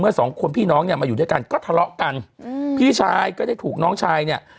สองคนพี่น้องเนี่ยมาอยู่ด้วยกันก็ทะเลาะกันอืมพี่ชายก็ได้ถูกน้องชายเนี่ย